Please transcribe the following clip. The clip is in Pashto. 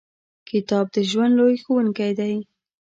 • کتاب د ژوند لوی ښوونکی دی.